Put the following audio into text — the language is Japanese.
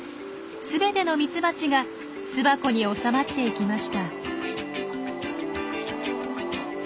全てのミツバチが巣箱に収まっていきました。